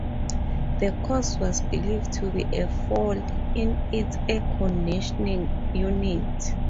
The cause was believed to be a fault in its air conditioning unit.